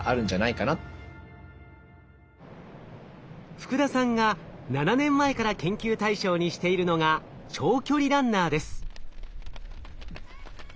福田さんが７年前から研究対象にしているのが長距離ランナーです。